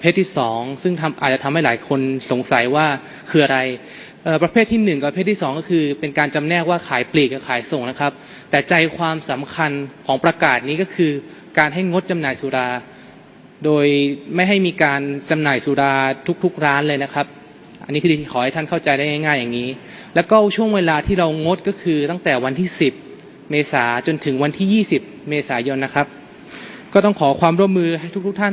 ทำให้หลายคนสงสัยว่าคืออะไรเอ่อประเภทที่หนึ่งประเภทที่สองก็คือเป็นการจำแนกว่าขายปลีกและขายส่งนะครับแต่ใจความสำคัญของประกาศนี้ก็คือการให้งดจำหน่ายสุราโดยไม่ให้มีการจำหน่ายสุราทุกทุกร้านเลยนะครับอันนี้คือที่ขอให้ท่านเข้าใจได้ง่ายง่ายอย่างงี้แล้วก็ช่วงเวลาที่เรางดก็คือตั้